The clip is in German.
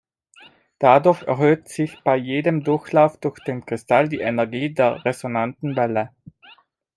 Dadurch erhöht sich bei jedem Durchlauf durch den Kristall die Energie der resonanten Welle.